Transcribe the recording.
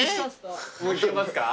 置いてますか？